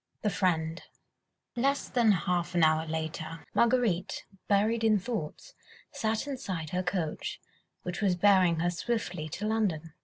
THE FRIEND Less than half an hour later, Marguerite, buried in thoughts, sat inside her coach, which was bearing her swiftly to London.